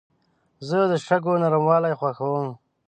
زه د شګو نرموالي خوښوم.